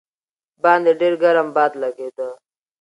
باندې ډېر ګرم باد لګېده.